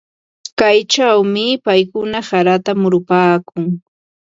Kaychawmi paykuna harata murupaakun.